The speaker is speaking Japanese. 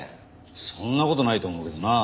そんな事ないと思うけどな。